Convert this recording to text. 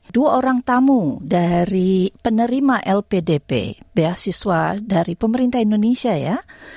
dua orang tamu dari penerima lpdp beasiswa dari pemerintah indonesia ya